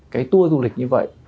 cái tour du lịch như vậy